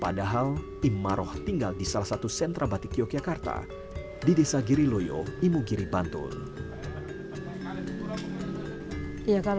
padahal imaroh tinggal di salah satu sentra batik yogyakarta di desa giriloyo imugiri bantul